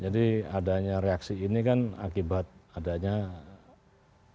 jadi adanya reaksi ini kan akibat adanya sesuatu yang tidak sesuai dengan keindahan